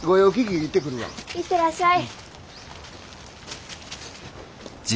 行ってらっしゃい。